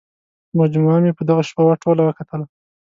مجموعه مې په دغه شپه ټوله وکتله.